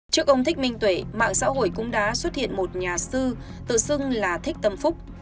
trước ông thích minh tuệ mạng xã hội cũng đã xuất hiện một nhà sư tự xưng là thích tâm phúc